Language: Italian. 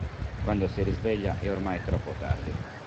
Quando si risveglia è ormai troppo tardi.